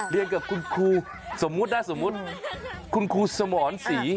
เรียนกับคุณครูสมมุตินะสมมุติคุณครูสมรศรี